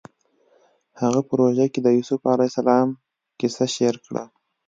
هغه په روژه کې د یوسف علیه السلام کیسه شعر کړه